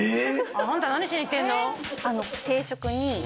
あんた何しに行ってんの？